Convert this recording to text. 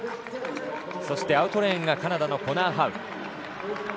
そして、アウトレーンがカナダのコナー・ハウ。